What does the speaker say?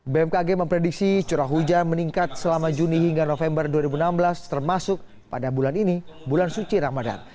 bmkg memprediksi curah hujan meningkat selama juni hingga november dua ribu enam belas termasuk pada bulan ini bulan suci ramadan